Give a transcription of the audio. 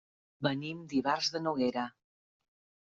Venim d'Ivars de Noguera.